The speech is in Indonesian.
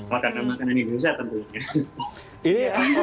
makanan makanan indonesia tentunya